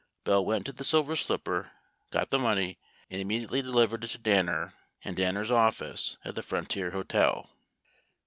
80 Bell went to the Silver Slipper, got the money, and immediately delivered it to Danner in Danner's office at the Frontier Hotel.